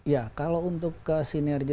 ya kalau untuk sinergi